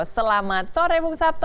selamat sore bung sabtoh